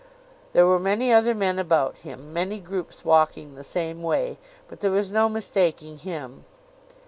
There were many other men about him, many groups walking the same way, but there was no mistaking him.